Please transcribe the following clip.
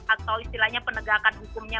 atau istilahnya penegakan hukumnya